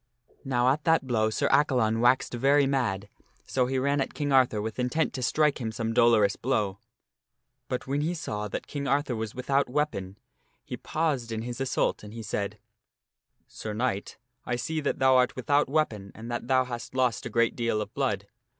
Now at that blow Sir Accalon waxed very mad, so he ran at King Arthur with intent to strike him some dolorous blow. But when he saw that King Arthur was without weapon, he paused in his assault and he said, " Sir Knight, I see that thou art without weapon and that thou hast lost a great deal of blood.